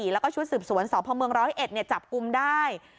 แล้วก็ชุดสืบสวนสเม๑๐๑เนี่ยจับกุมได้